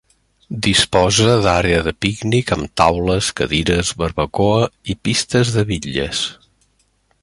Disposa d’àrea de pícnic amb taules, cadires, barbacoa i pistes de bitlles.